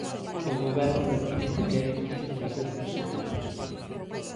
O Goberno recoñece que é difícil facer proxeccións.